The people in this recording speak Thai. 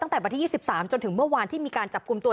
ตั้งแต่วันที่๒๓จนถึงเมื่อวานที่มีการจับกลุ่มตัว